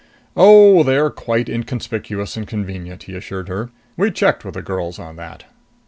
"Oh, they're quite inconspicuous and convenient," he assured her. "We checked with the girls on that."